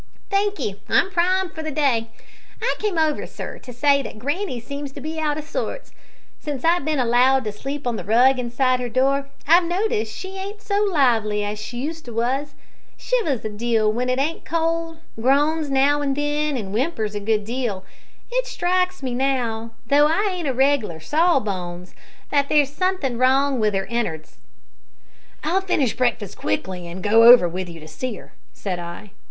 "Thankee, I'm primed for the day. I came over, sir, to say that granny seems to me to be out o' sorts. Since I've been allowed to sleep on the rug inside her door, I've noticed that she ain't so lively as she used to was. Shivers a deal w'en it ain't cold, groans now an' then, an whimpers a good deal. It strikes me, now though I ain't a reg'lar sawbones that there's suthin' wrong with her in'ards." "I'll finish breakfast quickly and go over with you to see her," said I.